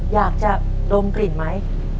อยากจะดมกลิ่นไหม